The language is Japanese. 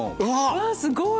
うわあすごい！